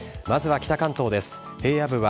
まずは北関東です。